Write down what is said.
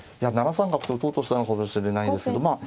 三角と打とうとしたのかもしれないですけどまあ